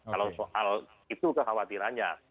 kalau soal itu kekhawatirannya